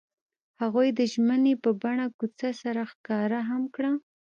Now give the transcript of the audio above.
هغوی د ژمنې په بڼه کوڅه سره ښکاره هم کړه.